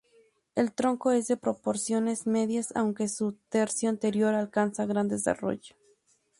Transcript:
El tronco es de proporciones medias aunque su tercio anterior alcanza gran desarrollo.